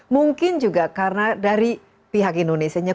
mungkin juga karena dari pihak indonesia